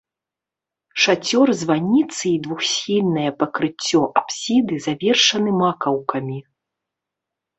Шацёр званіцы і двухсхільнае пакрыццё апсіды завершаны макаўкамі.